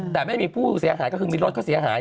แต่ไม่มีผู้เสียหายก็คือมีรถเขาเสียหาย